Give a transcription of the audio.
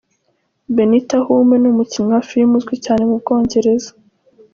Benita Hume ni umukinnyi wa filime uzwi cyane mu Bwongereza.